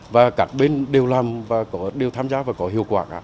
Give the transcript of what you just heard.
và các bên đều làm và đều tham gia và có hiệu quả cả